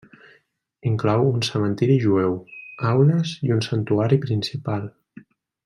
Inclou un cementiri jueu, aules i un santuari principal.